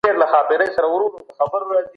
که څېړنه عیني نه وي هیڅ علمي ارزښت نه لري.